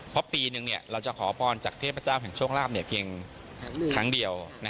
เพราะปีหนึ่งเราจะขอพรจากเทพเจ้าแห่งโชคลาภเพียงครั้งเดียว